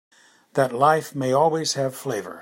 That life may always have flavor.